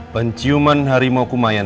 penciuman harimau kumayan